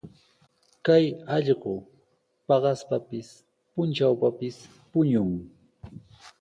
Kay allqu paqaspapis, puntrawpis puñun.